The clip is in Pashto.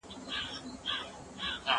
مثنوي کي دا کیسه مي ده لوستلې